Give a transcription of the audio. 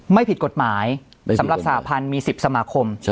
ไม่ผิดกฎหมายสำหรับสหพันธ์มี๑๐สมาคม